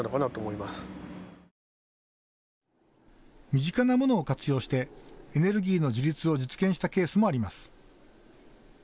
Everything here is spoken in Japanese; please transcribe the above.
身近なものを活用してエネルギーの自立を実現したケースもあります。